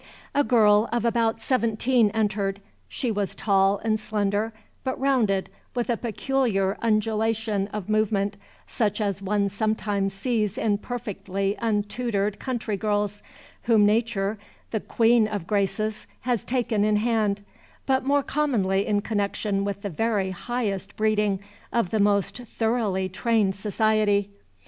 A girl of about seventeen entered. She was tall and slender, but rounded, with a peculiar undulation of movement, such as one sometimes sees in perfectly untutored country girls, whom Nature, the queen of graces, has taken in hand, but more commonly in connection with the very highest breeding of the most thoroughly trained society.